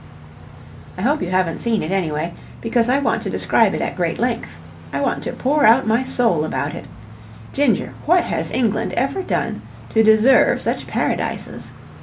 I hope you haven't seen it, anyway, because I want to describe it at great length. I want to pour out my soul about it. Ginger, what has England ever done to deserve such paradises?